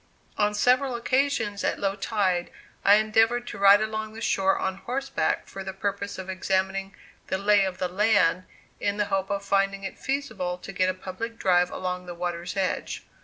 On several occasions at low tide, I endeavored to ride along the shore on horseback for the purpose of examining "the lay of the land," in the hope of finding it feasible to get a public drive along the water's edge.